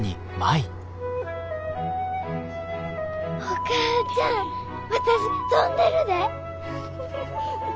お母ちゃん私飛んでるで！